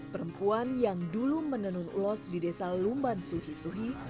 perempuan yang dulu menenun ulas di desa lumban suhisuhi